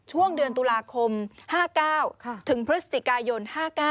ช่วงเดือนตุลาคม๕๙ถึงพฤศจิกายน๕๙